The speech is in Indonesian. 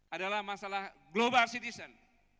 adalah masalah global citizen